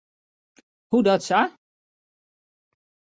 Hoedatsa?